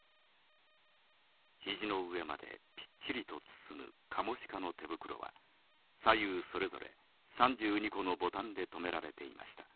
「肘の上までぴっちりと包むカモシカの手袋は左右それぞれ３２個のボタンで留められていました。